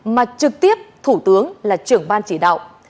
mà trực tiếp thủ tướng là trưởng ban chỉ đạo